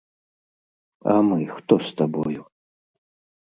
А мы хто з табою?